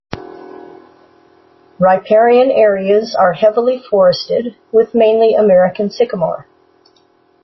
Riparian areas are heavily forested with mainly American sycamore.